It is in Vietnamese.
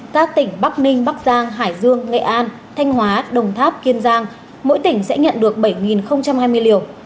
các tỉnh bắc ninh bắc giang hải dương nghệ an thanh hóa đồng tháp kiên giang mỗi tỉnh sẽ nhận được bảy hai mươi liều